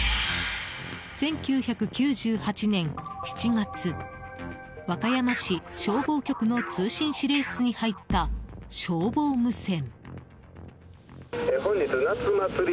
１９９８年７月和歌山市消防局の通信指令室に入った消防無線。